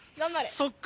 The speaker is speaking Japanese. そっか。